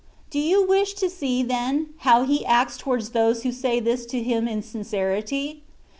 Do you wish to see, then, how He acts towards those who say this to Him in sincerity?